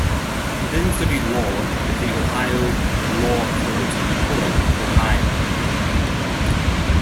He then studied law at the Ohio Law College in Poland, Ohio.